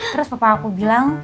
terus papa aku bilang